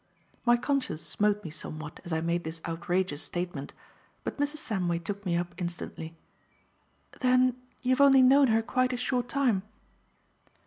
My conscience smote me somewhat as I made this outrageous statement, but Mrs. Samway took me up instantly. "Then you've only known her quite a short time?"